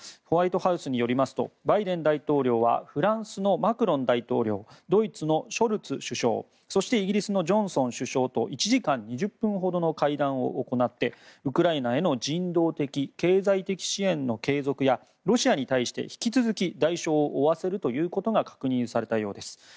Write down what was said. ホワイトハウスによりますとバイデン大統領はフランスのマクロン大統領ドイツのショルツ首相そしてイギリスのジョンソン首相と１時間２０分ほどの会談を行ってウクライナへの人道的・経済的支援の継続やロシアに対して引き続き代償を負わせるということが確認されたようです。